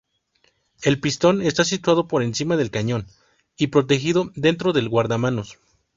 El pistón está situado por encima del cañón y protegido dentro del guardamanos.